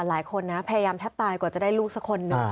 หลายคนนะพยายามแทบตายกว่าจะได้ลูกสักคนหนึ่ง